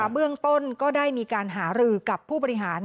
เบื้องต้นก็ได้มีการหารือกับผู้บริหาร